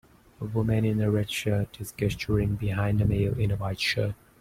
A woman in a red shirt is gesturing behind a male in a white shirt.